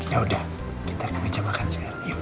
yaudah kita ke meja makan sekarang yuk